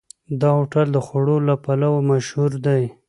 دا هوټل د خوړو له پلوه مشهور دی.